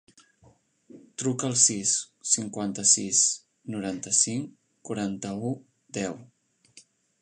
Truca al sis, cinquanta-sis, noranta-cinc, quaranta-u, deu.